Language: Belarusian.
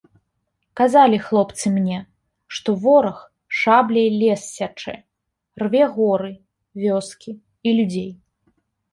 Казалі хлопцы мне, што вораг шабляй лес сячэ, рве горы, вёскі і людзей.